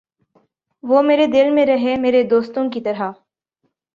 وُہ میرے دل میں رہے میرے دوستوں کی طرح